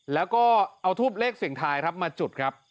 แล้วก็เอาทูปเลขสิ่งทายมาจุดครับ